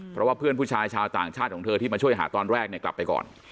เพราะว่าเพื่อนผู้ชายชาวต่างชาติของเธอที่มาช่วยหาตอนแรกเนี่ยกลับไปก่อน